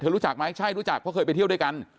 รู้จักไหมใช่รู้จักเพราะเคยไปเที่ยวด้วยกัน